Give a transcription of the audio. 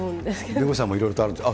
弁護士さんもいろいろあるんですね。